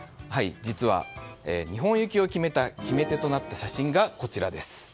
実は日本行きを決めた決め手となった写真がこちらです。